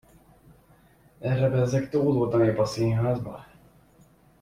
Erre bezzeg tódult a nép a színházba!